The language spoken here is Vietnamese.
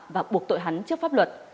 và buộc tội hắn trước pháp luật